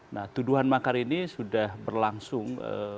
nah tuduhan makar ini sudah berlangsung